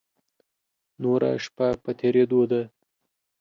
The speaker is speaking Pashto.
نوره شپه په تېرېدو ده.